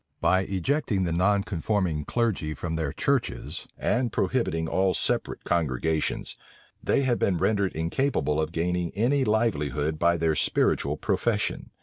By ejecting the nonconforming clergy from their churches, and prohibiting all separate congregations, they had been rendered incapable of gaining any livelihood by their spiritual profession.